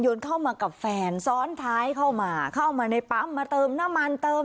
เข้ามากับแฟนซ้อนท้ายเข้ามาเข้ามาในปั๊มมาเติมน้ำมันเติม